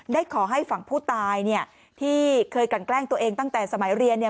ได้ขอให้ฝั่งผู้ตายเนี่ยที่เคยกันแกล้งตัวเองตั้งแต่สมัยเรียนเนี่ย